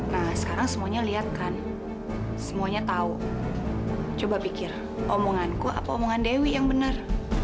nah sekarang semuanya lihat kan semuanya tahu coba pikir omonganku apa omongan dewi yang benar